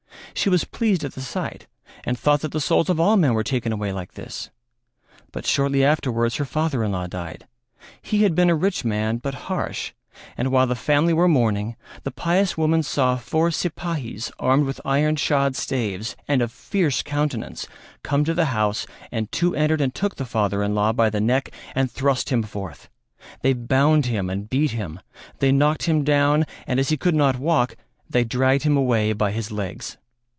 She was pleased at the sight and thought that the souls of all men were taken away like this. But shortly afterwards her father in law died. He had been a rich man, but harsh, and while the family were mourning the pious woman saw four sipahis armed with iron shod staves and of fierce countenance come to the house and two entered and took the father in law by the neck and thrust him forth; they bound him and beat him, they knocked him down and as he could not walk they dragged him away by his legs.